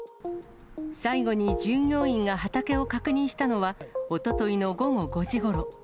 最後に従業員が畑を確認したのは、おとといの午後５時ごろ。